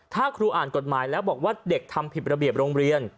ถ้าครูอ่านกฎหมายแล้วบอกว่าเด็กทำผิดระเบียบโรงเรียน